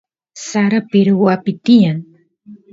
sara pirwapi tiyan